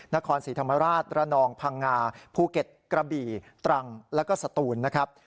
นครศรีธรรมราชระนองพังงาภูเก็ตกระบี่ตรังแล้วก็สตูนนะครับ